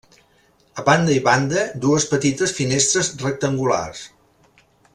A banda i banda, dues petites finestres rectangulars.